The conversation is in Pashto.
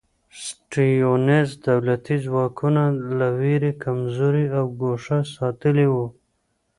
سټیونز دولتي ځواکونه له وېرې کمزوري او ګوښه ساتلي وو.